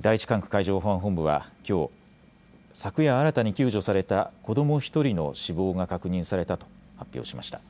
第１管区海上保安本部はきょう、昨夜、新たに救助された子ども１人の死亡が確認されたと発表しました。